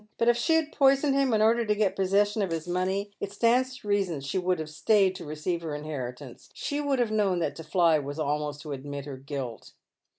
But if she had poisoned him in order to get possession of his money, it stands to reason she would have stayed to receive her inheritance. She would have known that to fly was almost to admit her guilt."